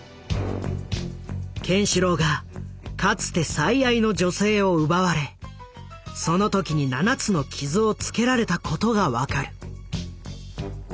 ケンシロウがかつて最愛の女性を奪われその時に７つの傷をつけられたことが分かる。